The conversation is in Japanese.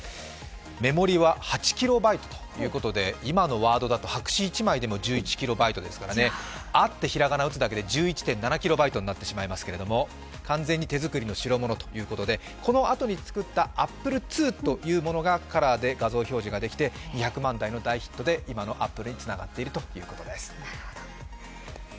メモリは８キロバイトということで今のワードだと白紙１枚でも１１キロバイトですからね、「あ」とひらがなを打つだけでも１１．７キロバイトになってしまいますけど、完全に手作りの代物ということで、このあとに作ったＡｐｐｌｅ−２というものがカラーで画像表示ができて２００万台の大ヒットで、今のアップルにつながっているということです。